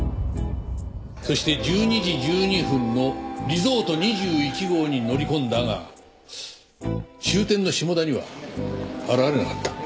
そして１２時１２分のリゾート２１号に乗り込んだが終点の下田には現れなかった。